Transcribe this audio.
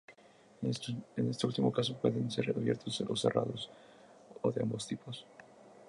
En este último caso, pueden ser abiertos o cerrados, o de ambos tipos.